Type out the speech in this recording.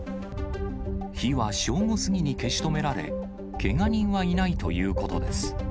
火は正午過ぎに消し止められ、けが人はいないということです。